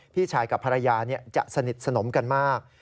พี่ชายกับภรรยาจะสนิทสนมกันมาก